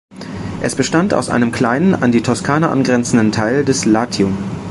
Es bestand aus einem kleinen, an die Toskana angrenzenden Teil des Latium.